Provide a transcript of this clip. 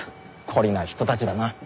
懲りない人たちだなあ。